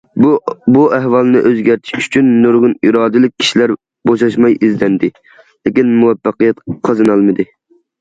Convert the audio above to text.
بۇ ئەھۋالنى ئۆزگەرتىش ئۈچۈن، نۇرغۇن ئىرادىلىك كىشىلەر بوشاشماي ئىزدەندى، لېكىن مۇۋەپپەقىيەت قازىنالمىدى.